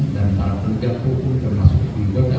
dan para penduduk hukum termasuk di negara